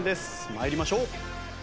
参りましょう。